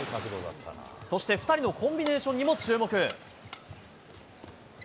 そして２人のコンビネーションにも注目。